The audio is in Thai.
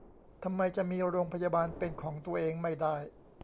ทำไมจะมีโรงพยาบาลเป็นของตัวเองไม่ได้